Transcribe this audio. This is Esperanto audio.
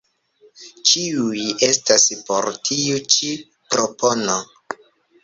Ĉiuj estas por tiu ĉi propono.